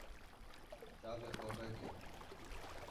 Çavê xwe veke.